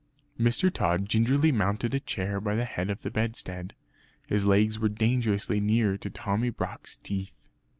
Mr. Tod gingerly mounted a chair by the head of the bedstead. His legs were dangerously near to Tommy Brock's teeth.